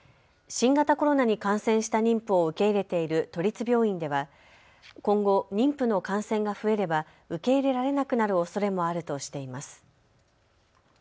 新型コロナに感染した妊婦を受け入れている都立病院では今後、妊婦の感染が増えれば受け入れられなくなるおそれもあるとしています。